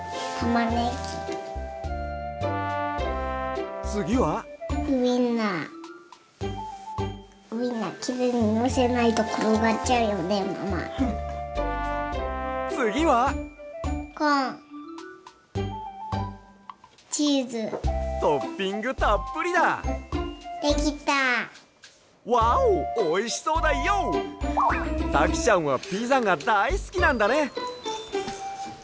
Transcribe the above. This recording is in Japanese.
たきちゃんはピザがだいすきなんだね。